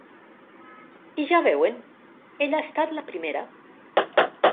I ja veuen ella ha estat la primera.